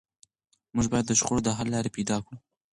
موږ باید د شخړو د حل لارې پیدا کړو.